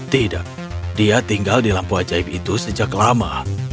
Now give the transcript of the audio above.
tidak dia tinggal di lampu ajaib itu sejak lama